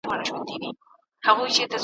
د کافي پیالې ته ناست دی په ژړا دی `